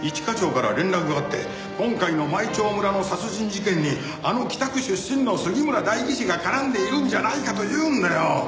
課長から連絡があって今回の舞澄村の殺人事件にあの北区出身の杉村代議士が絡んでいるんじゃないかと言うんだよ！